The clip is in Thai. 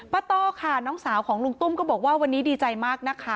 ต้อค่ะน้องสาวของลุงตุ้มก็บอกว่าวันนี้ดีใจมากนะคะ